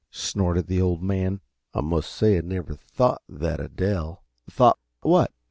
snorted the Old Man. "I must say I never thought that uh Dell!" "Thought what?"